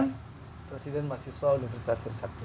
presiden masiswa universitas trisakti